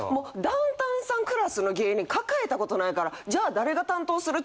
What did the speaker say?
ダウンタウンさんクラスの芸人抱えた事ないからじゃあ誰が担当する？